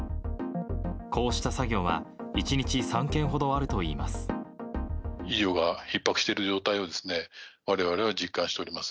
こうした作業は、１日３件ほどあるといいます。